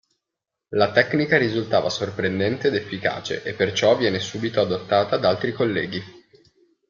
La tecnica risultava sorprendente ed efficace e perciò viene subito adottata da altri colleghi.